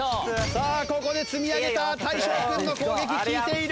さあここで積み上げた大昇君の攻撃効いている！